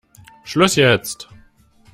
Schluss jetzt!